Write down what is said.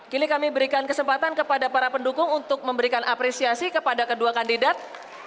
kini kami berikan kesempatan kepada para pendukung untuk memberikan apresiasi kepada kedua kandidat